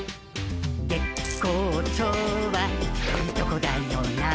「月光町はいいとこだよな」